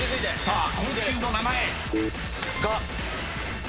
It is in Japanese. ［さあ昆虫の名前］が。